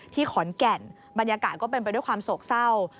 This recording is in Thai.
ขอนแก่นบรรยากาศก็เป็นไปด้วยความโศกเศร้า